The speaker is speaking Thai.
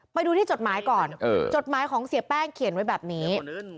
ไปดูที่จดหมายก่อนจดหมายของเสียแป้งเขียนไว้แบบนี้